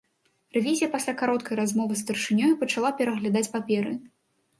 Рэвізія пасля кароткай размовы з старшынёю пачала пераглядаць паперы.